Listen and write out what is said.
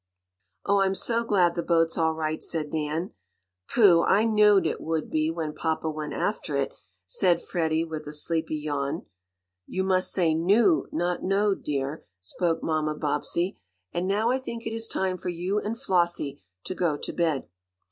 "Oh, I'm so glad the boat's all right," said Nan. "Pooh, I knowed it would be when papa went after it," said Freddie, with a sleepy yawn. "You must say 'knew,' not 'knowed,' dear," spoke Mamma Bobbsey. "And now I think it is time for you and Flossie to go to bed."